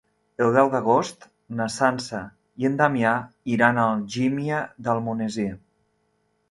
El deu d'agost na Sança i en Damià iran a Algímia d'Almonesir.